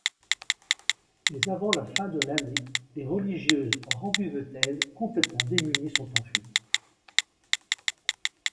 Mais avant la fin de l'année, les religieuses rambuvetaises, complètement démunies, sont en fuite.